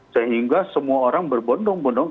sehingga semua orang berbondong bondong